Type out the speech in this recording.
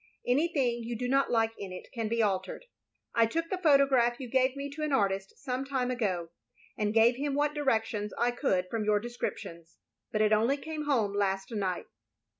Anything you do not like in it can he altered. I took the photograph you gave me to an artist some time ago, and gave him what directions I could from your descriptions, hut it only came home last night.